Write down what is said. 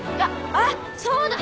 あっそうだ。